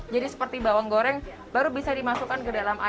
jadi seperti bawang goreng baru bisa dimasukkan ke dalam